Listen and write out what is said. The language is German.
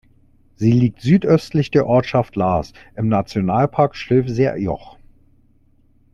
Sie liegt südöstlich der Ortschaft Laas im Nationalpark Stilfser Joch.